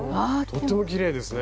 とってもきれいですね。